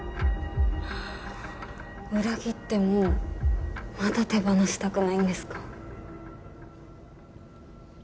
裏切ってもまだ手放したくないんですか？